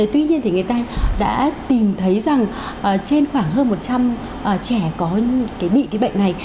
tuy nhiên thì người ta đã tìm thấy rằng trên khoảng hơn một trăm linh trẻ có bị cái bệnh này